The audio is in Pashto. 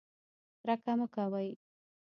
کرکه مه کوئ